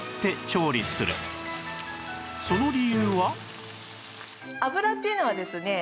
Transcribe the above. その理由は？